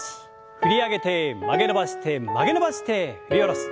振り上げて曲げ伸ばして曲げ伸ばして振り下ろす。